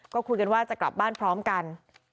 ก็คุยกันว่าจะกลับบ้านพร้อมกัน